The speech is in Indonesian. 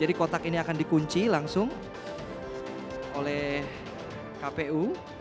jadi kotak ini akan dikunci langsung oleh kpu